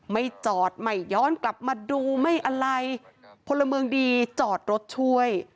ไม่จอดไม่ย้อนกลับมาดูไม่อะไรพลเมืองดีจอดรถช่วย